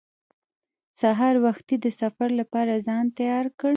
سهار وختي د سفر لپاره ځان تیار کړ.